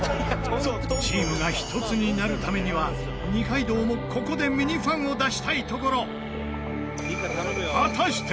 チームが一つになるためには二階堂もここでミニファンを出したいところ。